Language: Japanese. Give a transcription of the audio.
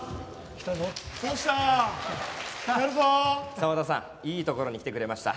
澤田さんいいところに来てくれました。